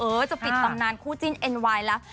จะปิดตำนานคู่จิ้นเอ็นไวน์แล้ว